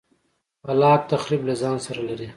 خلاق تخریب له ځان سره لري.